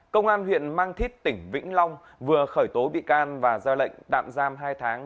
công an huyện mang thít tỉnh vĩnh long vừa khởi tố bị can và ra lệnh tạm giam hai tháng